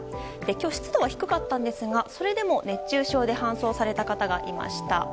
湿度は低かったんですがそれでも熱中症で搬送された方がいました。